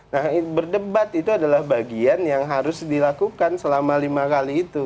nah berdebat itu adalah bagian yang harus dilakukan selama lima kali itu